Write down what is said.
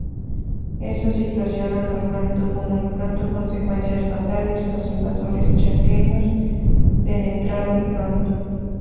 Esa situación anormal tuvo muy pronto consecuencias fatales: los invasores chaqueños penetraron pronto.